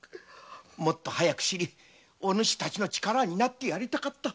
もっと早く知り力になってやりたかった。